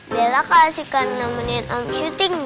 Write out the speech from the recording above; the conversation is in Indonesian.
bella kasih kan nemenin om syuting